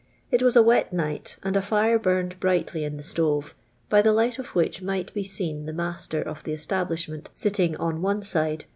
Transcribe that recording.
It was a wet night, and a fire burned brightly in the itoye, by the light of which might be seen the master of the establishment sitting on one tide, «b.